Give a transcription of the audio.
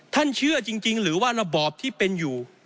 เชื่อจริงหรือว่าระบอบที่เป็นอยู่